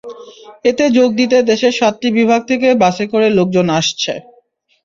এতে যোগ দিতে দেশের সাতটি বিভাগ থেকে বাসে করে লোকজন আসছে।